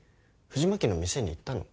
藤巻の店に行ったの？